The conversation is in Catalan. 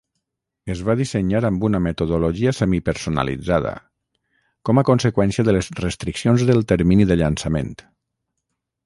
Es va dissenyar amb una metodologia semi-personalitzada, com a conseqüència de les restriccions del termini de llançament.